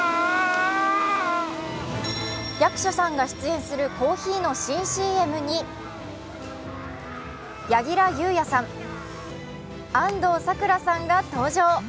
役所さんが出演するコーヒーの新ＣＭに柳楽優弥さん、安藤サクラさんが登場。